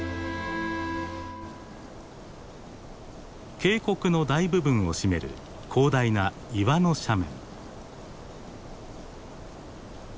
渓谷の大部分を占める広大な岩の斜面。